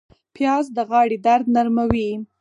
پیاز د غاړې درد نرموي